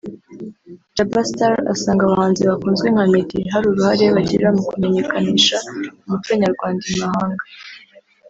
Jaba Star asanga abahanzi bakunzwe nka Meddy hari uruhare bagira mu kumenyekanisha umuco nyarwanda i mahanga